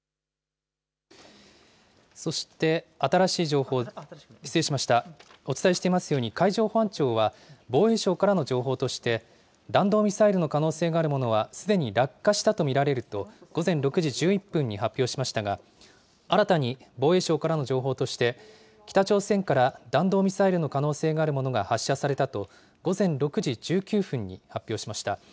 そして、新しい情報、失礼しました、お伝えしていますように、海上保安庁は防衛省からの情報として、弾道ミサイルの可能性があるものは、すでに落下したと見られると、午前６時１１分に発表しましたが、新たに防衛省からの情報として、北朝鮮から弾道ミサイルの可能性があるものが発射されたと、午前６時１９分に発表しました。